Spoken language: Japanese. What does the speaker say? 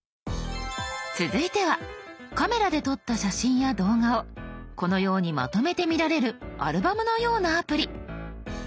続いてはカメラで撮った写真や動画をこのようにまとめて見られるアルバムのようなアプリ。